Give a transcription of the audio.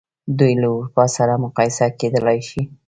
دوی له اروپا سره مقایسه کېدلای شي.